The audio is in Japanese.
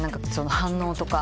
反応とか。